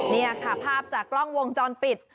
นี่ค่ะภาพจากกล้องวงจรปิด